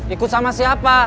ikut sama siapa